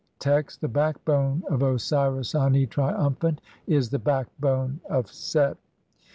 Text: (12) The backbone of Osiris Ani, triumphant, is the backbone of Set.